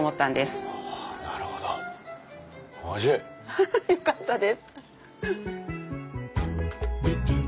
ハハよかったです。